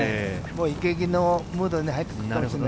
イケイケのムードに入ってくるね。